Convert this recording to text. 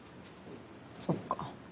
そっか。